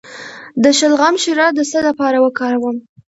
د شلغم شیره د څه لپاره وکاروم؟